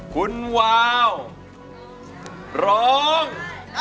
คุณวาวร้อง